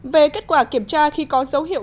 về kết quả kiểm tra khi có dấu hiệu